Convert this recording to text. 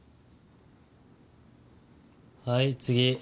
はい次。